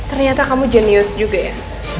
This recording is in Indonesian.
ternyata kamu jenius juga ya